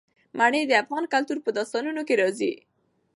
منی د افغان کلتور په داستانونو کې راځي.